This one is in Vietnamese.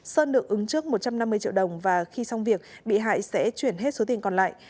sơn được ứng trước một trăm năm mươi triệu đồng và khi xong việc bị hại sẽ chuyển hết số tiền còn lại